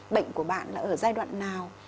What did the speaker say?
bệnh của bạn là ở giai đoạn nào